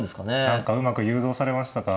何かうまく誘導されましたか。